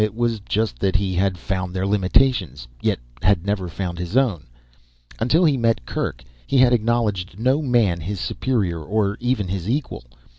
It was just that he had found their limitations yet had never found his own. Until he met Kerk he had acknowledged no man his superior, or even his equal.